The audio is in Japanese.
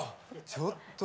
ちょっと。